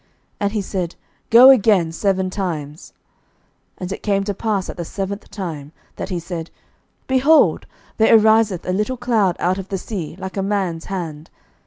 And he said, Go again seven times. 11:018:044 And it came to pass at the seventh time, that he said, Behold, there ariseth a little cloud out of the sea, like a man's hand.